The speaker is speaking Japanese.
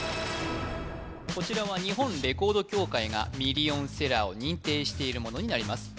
こちらは日本レコード協会がミリオンセラーを認定しているものになります